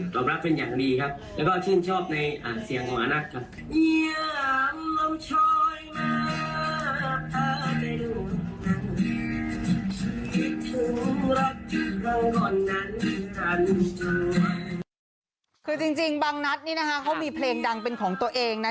บางนั้นนี่นะคะเขามีเพลงดังเป็นของตัวเองนะ